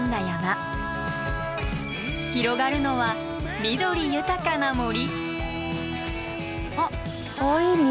広がるのは緑豊かな森。